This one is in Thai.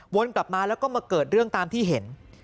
วนกลับมาแล้วก็มาเกิดเรื่องตามที่เห็น